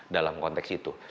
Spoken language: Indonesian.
dalam konteks itu